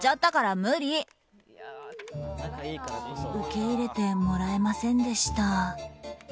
受け入れてもらえませんでした。